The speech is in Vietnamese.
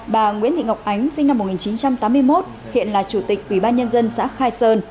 bà nguyễn thị ngọc ánh sinh năm một nghìn chín trăm tám mươi một hiện là chủ tịch ủy ban nhân dân xã khai sơn